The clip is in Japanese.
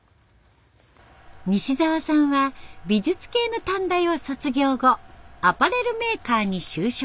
西沢さんは美術系の短大を卒業後アパレルメーカーに就職。